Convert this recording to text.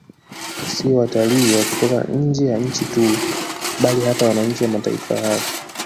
Siyo watalii wa kutoka nje ya nchi tu bali hata wananchi wa mataifa hayo